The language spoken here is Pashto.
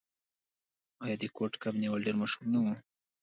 آیا د کوډ کب نیول ډیر مشهور نه و؟